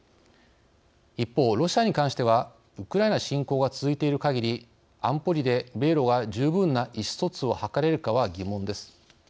一方ロシアに関してはウクライナ侵攻が続いているかぎり安保理で米ロが十分な意思疎通を図れるかは疑問です。